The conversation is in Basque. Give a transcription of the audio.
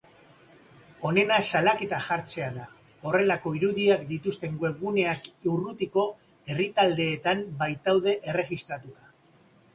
Onena salaketa jartzea da, horrelako irudiak dituzten webguneak urrutiko herrialdeetan baitaude erregistratuta.